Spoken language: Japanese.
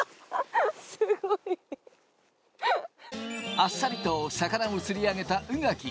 あっさりと魚を釣り上げた宇垣。